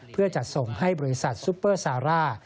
เพื่อจัดส่งให้บริษัทซุปเปอร์ซาร่า